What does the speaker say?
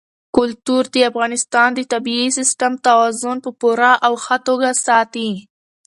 کلتور د افغانستان د طبعي سیسټم توازن په پوره او ښه توګه ساتي.